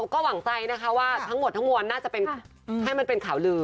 ก็หวังใจนะคะว่าทั้งหมดทั้งมวลน่าจะเป็นให้มันเป็นข่าวลือ